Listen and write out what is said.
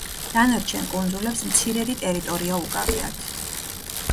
დანარჩენ კუნძულებს მცირედი ტერიტორია უკავიათ.